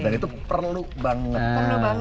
dan itu perlu banget